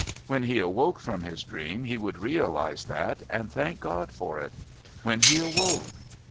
When he awoke from his dream he would realise that and thank God for it. When he awoke....